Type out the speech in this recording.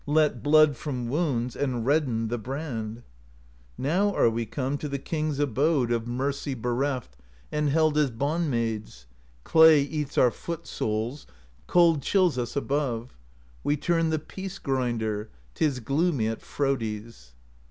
Let blood from wounds. And reddened the brand. 'Now are we come To the king's abode THE POESY OF SKALDS 167 Of mercy bereft And held as bond maids; Clay eats our foot soles, Cold chills us above; We turn the Peace Grinder: 'T is gloomy at Frodi's.